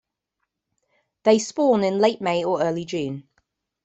They spawn in late May or early June.